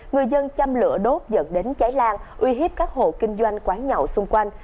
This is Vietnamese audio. người dân chăm lửa đốt dẫn đến cháy lan uy hiếp các hộ kinh doanh quán nhậu xung quanh